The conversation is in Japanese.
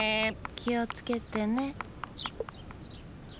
きをつけてね。